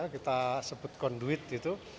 kita sebut conduit itu